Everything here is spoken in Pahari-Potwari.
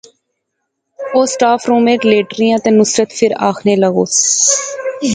او سٹاف رومے لے ٹریاں تے نصرت فیر آخنے لاغیوس